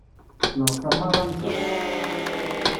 Neḍsa merra-nteɣ.